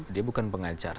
dia bukan pengacara